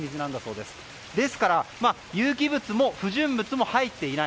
ですから、有機物も不純物も入っていない。